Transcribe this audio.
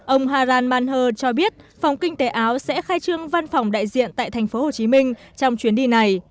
ông haran manher cho biết phòng kinh tế áo sẽ khai trương văn phòng đại diện tại tp hcm trong chuyến đi này